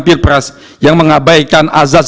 phpup press yang mengabaikan azaz